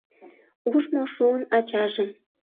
Ужмо шуын ачажым.